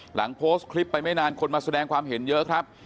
หลังโพสต์คลิปไปไม่นานคนมาแสดงความเห็นเยอะครับ